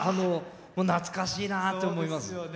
懐かしいなと思います。